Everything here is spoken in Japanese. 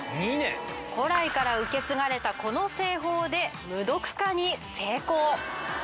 古来から受け継がれたこの製法で無毒化に成功。